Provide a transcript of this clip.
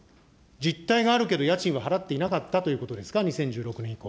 実態があるけど、家賃は払っていなかったということですか、２０